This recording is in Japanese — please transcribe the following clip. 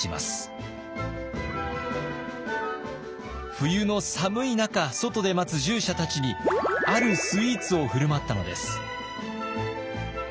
冬の寒い中外で待つ従者たちにあるスイーツを振る舞ったのです。